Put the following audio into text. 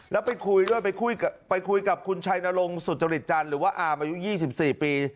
แล้วไปคุยด้วยไปคุยกับคุณชัยนรงสุจริตจันทร์หรือว่าอามอายุ๒๔ปี